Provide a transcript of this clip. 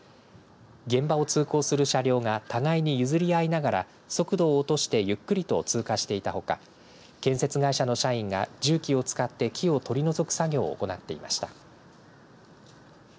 現場を通行する車両が互いに譲り合いながら速度を落としてゆっくりと通過していたほか建設会社の社員が重機を使って木を取り除く作業を行っていました。